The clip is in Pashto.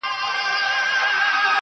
• ځكه چي دا خو د تقدير فيصله.